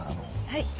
はい。